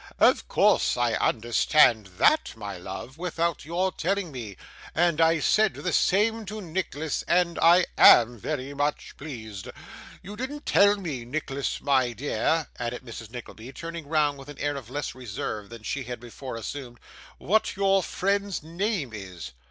Of course, I understand THAT, my love, without your telling me; and I said the same to Nicholas, and I AM very much pleased. You didn't tell me, Nicholas, my dear,' added Mrs. Nickleby, turning round with an air of less reserve than she had before assumed, 'what your friend's name is.